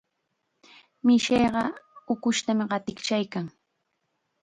Mishiqa ukushtam qatiykachaykan.